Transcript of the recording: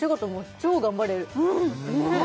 超頑張れるねっ